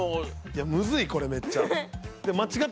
いやむずいこれめっちゃ。